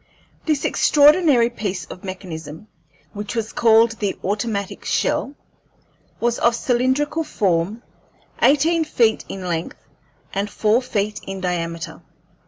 This extraordinary piece of mechanism, which was called the automatic shell, was of cylindrical form, eighteen feet in length and four feet in diameter.